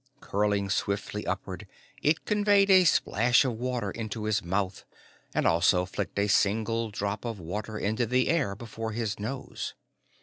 Curling swiftly upward, it conveyed a splash of water into his mouth and also flicked a single drop of water into the air before his nose.